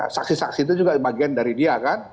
saksi saksi itu juga bagian dari dia kan